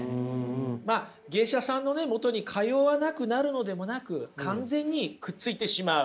まあ芸者さんのねもとに通わなくなるのでもなく完全にくっついてしまう。